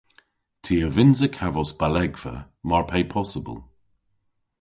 Ty a vynnsa kavos balegva mar pe possybyl.